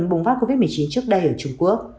bùng phát covid một mươi chín trước đây ở trung quốc